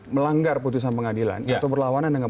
melanggar putusan pengadilan atau berlawanan dengan